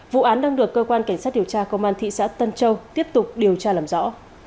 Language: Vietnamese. vụ án đang được cơ quan cảnh sát điều tra công an thị xã tân châu tiếp tục điều tra làm rõ